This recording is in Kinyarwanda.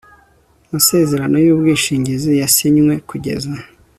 masezerano y ubwishingizi yasinywe kugeza